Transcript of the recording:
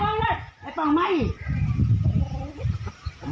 ต้องเงียบต้องเงียบ